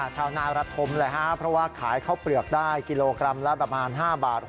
ชาวนารธมเลยครับเพราะว่าขายข้าวเปลือกได้กิโลกรัมละประมาณ๕บาท